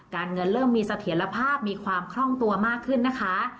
เงินเริ่มมีเสถียรภาพมีความคล่องตัวมากขึ้นนะคะ